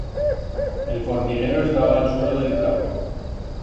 El forniguero estaba a'l suelo d'el prau.